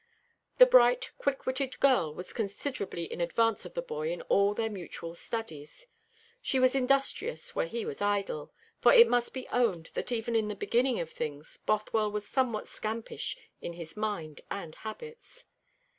The bright, quick witted girl was considerably in advance of the boy in all their mutual studies. She was industrious where he was idle, for it must be owned that even in the beginning of things Bothwell was somewhat scampish in his mind and habits.